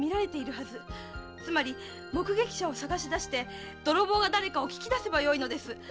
つまり目撃者を捜して泥棒が誰か聞き出せばよいのです。